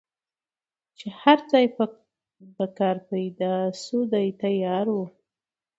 چي هر ځای به کار پیدا سو دی تیار وو